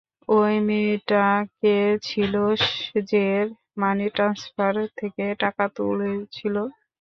ওই মেয়েটা কে ছিল যে মানি ট্রান্সফার থেকে টাকা তুলেছিল?